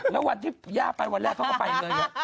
แล้ววันที่ย่าไปวันแรกเขาก็ไปเลย